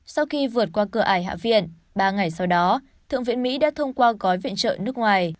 sau khi vượt qua cửa ải hạ viện ba ngày sau đó thượng viện mỹ đã thông qua gói viện trợ nước ngoài